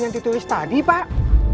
yang ditulis tadi pak